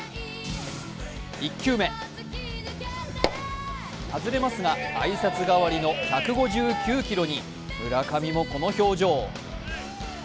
１球目、外れますが挨拶代わりの１５９キロに、村上もこの表情。